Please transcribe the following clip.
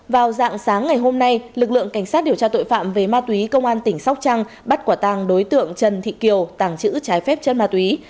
vào dạng sáng ngày hôm nay lực lượng cảnh sát điều tra tội phạm về ma túy công an tỉnh sóc trăng bắt quả tàng đối tượng trần thị kiều tàng trữ trái phép chất ma túy